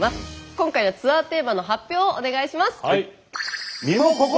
今回のツアーテーマの発表をお願いします。